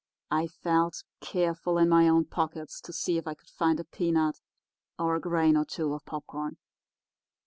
I felt, careful, in my own pockets to see if I could find a peanut or a grain or two of popcorn.